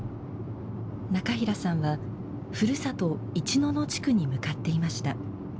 中平さんはふるさと市野々地区に向かっていました。